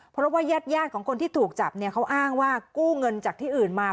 เพราะว่ายาดของคนที่ถูกจับเนี่ยเขาอ้างว่ากู้เงินจากที่อื่นมา